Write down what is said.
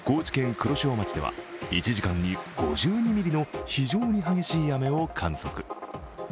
黒潮町では１時間に５２ミリの非常に激しい雨を観測。